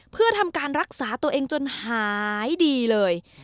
เพื่อทำการรักษาตัวเองจนหายดีเลย